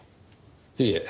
いえ。